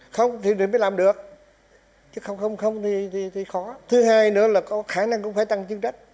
không thì để mới làm được chứ không thì khó thứ hai nữa là có khả năng cũng phải tăng chức trách